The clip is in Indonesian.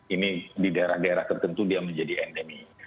ini di daerah daerah tertentu dia menjadi endemi